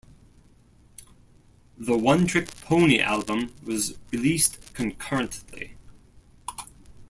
The "One-Trick Pony" album was released concurrently.